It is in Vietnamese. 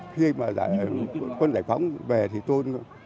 khi mà quân giải phóng về thì tôi